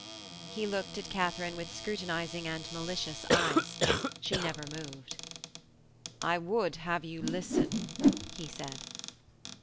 He looked at Katharine with scrutinising and malicious eyes. She never moved. 'I would have you listen,' he said.